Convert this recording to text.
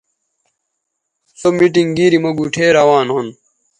سو میٹنگ گیری مہ گوٹھے روان ھُون